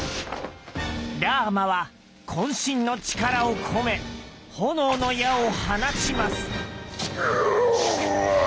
ラーマはこん身の力を込め炎の矢を放ちます